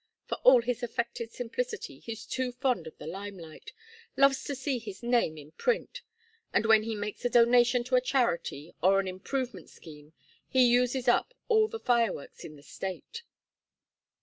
For all his affected simplicity he's too fond of the limelight: loves to see his name in print; and when he makes a donation to a charity or an improvement scheme he uses up all the fireworks in the State."